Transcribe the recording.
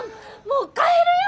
もう帰るよ！